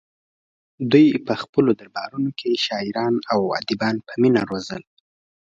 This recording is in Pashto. دوی په خپلو دربارونو کې شاعران او ادیبان په مینه روزل